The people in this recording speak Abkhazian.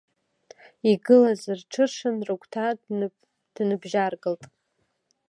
Игылаз рҽыршан рыгәҭа дныбжьаргалт…